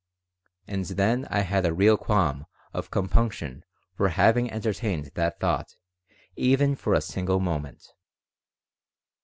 And then I had a real qualm of compunction for having entertained that thought even for a single moment.